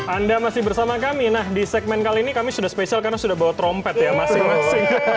anda masih bersama kami nah di segmen kali ini kami sudah spesial karena sudah bawa trompet ya masing masing